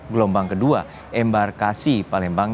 gelombang ke dua embarkasi palembang